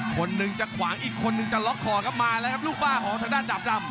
คนหนึ่งจะขวางอีกคนนึงจะล็อกคอครับมาแล้วครับลูกบ้าของทางด้านดาบดำ